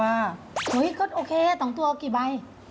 โอเคก็โอเค๒ตัวเอากี่ใบ